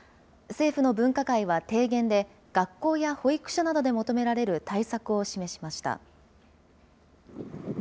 政府の分科会は提言で、学校や保育所などで求められる対策を示しました。